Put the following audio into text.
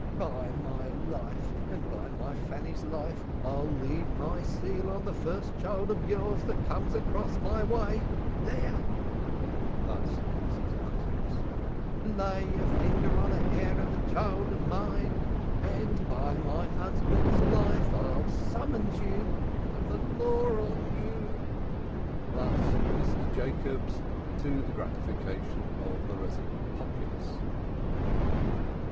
"By my life, and by my Fanny's life, I'll leave my seal on the first child of yours that comes across my way! There!" Thus Mrs. Isaacs. "Lay a linger on a hair of a child of mine, and, by my husband's life, I'll summons you; I'll have the law on you." Thus Mrs. Jacobs; to the gratification of the resident populace.